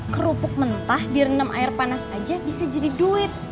kerupuk mentah direndam air panas aja bisa jadi duit